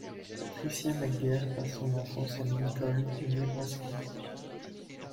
Patricia McGerr passe son enfance à Lincoln au Nebraska.